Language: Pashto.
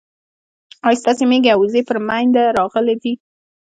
ايا ستاسي ميږي او وزې پر مينده راغلې دي